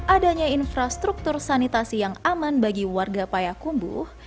adanya infrastruktur sanitasi yang aman bagi warga payakumbuh